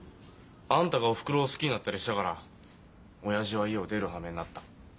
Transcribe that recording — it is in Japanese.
「あんたがおふくろを好きになったりしたから親父は家を出るはめになった。